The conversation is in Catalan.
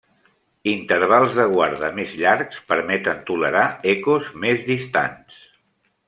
Intervals de guarda més llargs permeten tolerar ecos més distants.